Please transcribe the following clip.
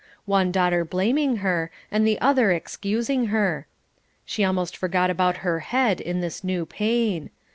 One daughter blaming her, and the other excusing her. She almost forgot about her head in this new pain.